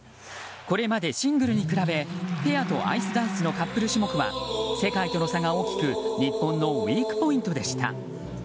これまでシングルに比べペアとアイスダンスのカップル種目は世界との差が大きく日本のウィークポイントでした。